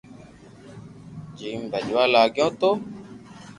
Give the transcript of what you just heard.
جيم ڀجوا لاگيو تو